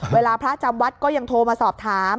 เวลาพระจำวัดก็ยังโทรมาสอบถาม